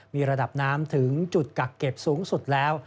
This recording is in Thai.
มีระดับน้ำถึงจุดกักเก็บสูงสุดแล้ว